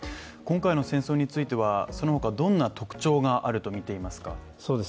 今回の戦争についてはその他、どんな特徴があるとみていますか？